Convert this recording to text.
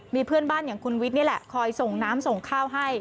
มีเพื่อนบ้านอย่างคุณวิทย์นี่แหละคอยส่งน้ำส่งข้าวให้